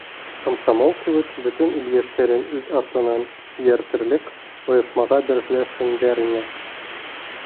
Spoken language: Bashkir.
Комсомол кеүек бөтөн ил йәштәрен үҙ артынан эйәртерлек ойошмаға берләшһендәр ине.